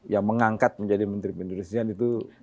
yang mengangkat menjadi menteri penduduk senial itu